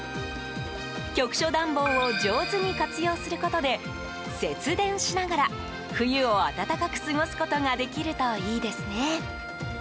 局所暖房を上手に活用することで節電しながら冬を暖かく過ごすことができるといいですね。